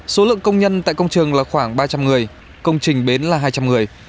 số lượng công nhân tại công trường là khoảng ba trăm linh người công trình bến là hai trăm linh người